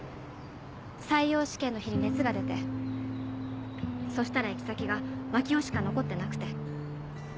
採用試験の日に熱が出てそしたら行き先が槙尾しか残ってなくて。